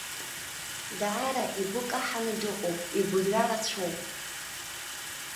Даара игәы каҳаны дыҟоуп, игәырҩа рацәоуп.